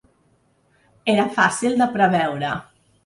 Era fàcil de preveure